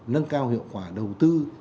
nâng cao hiệu quả đầu tư